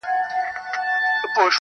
مُلا ډوب سو په سبا یې جنازه سوه -